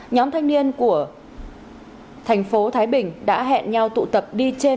nhóm thanh niên của thành phố thái bình đã hẹn nhau tụ tập đi trên hai mươi xe máy